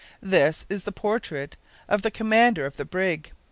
That is a portrait of the commander of the brig.